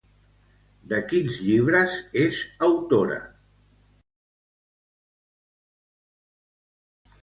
De quins llibres és autora?